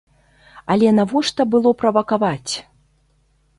Але навошта было правакаваць?